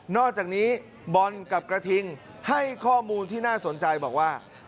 อกจากนี้บอลกับกระทิงให้ข้อมูลที่น่าสนใจบอกว่า